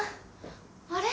あれ？